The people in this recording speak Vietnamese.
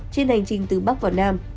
trên hành trình từ bắc vào nam